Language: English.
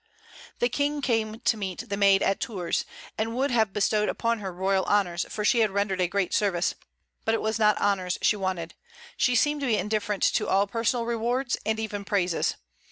The King came to meet the Maid at Tours, and would have bestowed upon her royal honors, for she had rendered a great service. But it was not honors she wanted. She seemed to be indifferent to all personal rewards, and even praises.